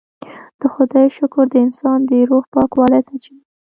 د خدای شکر د انسان د روح پاکوالي سرچینه ده.